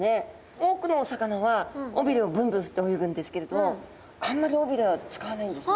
多くのお魚は尾びれをブンブン振って泳ぐんですけれどあんまり尾びれは使わないんですね。